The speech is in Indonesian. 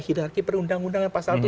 hirarki perundang undangan pasal tujuh